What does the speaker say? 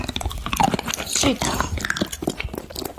Şsitf.